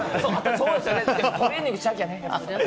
そりゃトレーニングしなきゃね。